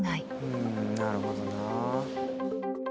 うんなるほどな。